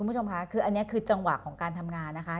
คุณผู้ชมค่ะคืออันนี้คือจังหวะของการทำงานนะคะ